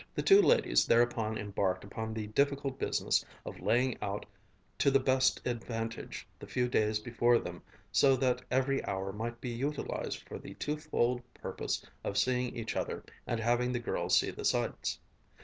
The two ladies thereupon embarked upon the difficult business of laying out to the best advantage the few days before them so that every hour might be utilized for the twofold purpose of seeing each other and having the girls see the sights.